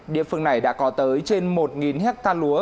địa phương này đã có tới trên một hectare lúa